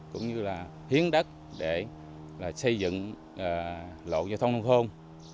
cũng như là hiến đất để xây dựng lộ giao thông nông thôn